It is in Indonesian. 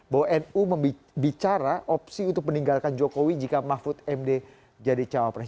bahwa nu membicara opsi untuk meninggalkan jokowi jika mahfud md jadi cawapres